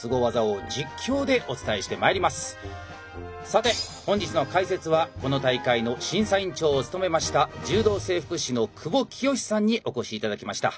さて本日の解説はこの大会の審査員長を務めました柔道整復師の久保聖史さんにお越し頂きました。